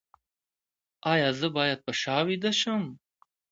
ایا زه باید په شا ویده شم؟